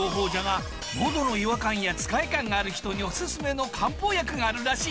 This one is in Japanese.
どの違和感やつかえ感がある人におすすめの漢方薬とは？